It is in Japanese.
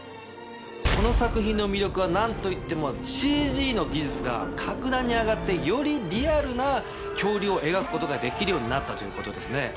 この作品の魅力は何といってもＣＧの技術が格段に上がってよりリアルな恐竜を描くことができるようになったということですね。